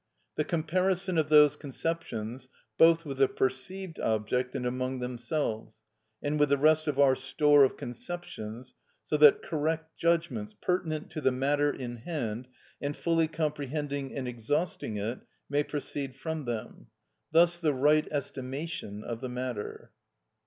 The comparison of those conceptions both with the perceived object and among themselves, and with the rest of our store of conceptions, so that correct judgments, pertinent to the matter in hand, and fully comprehending and exhausting it, may proceed from them; thus the right estimation of the matter.